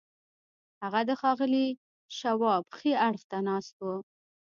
هغه د ښاغلي شواب ښي اړخ ته ناست و.